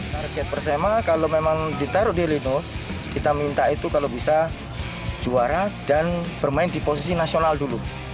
target persema kalau memang ditaruh di linus kita minta itu kalau bisa juara dan bermain di posisi nasional dulu